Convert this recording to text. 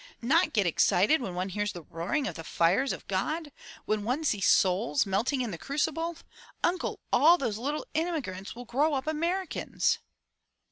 *'Not get excited when one hears the roaring of the fires of God? When one sees souls melting in the Crucible? Uncle, all those little immigrants will grow up Americans!"